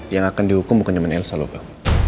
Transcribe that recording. yang akan dihukum bukan cuma elsa loh pak